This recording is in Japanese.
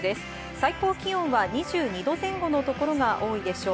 最高気温は２２度前後の所が多いでしょう。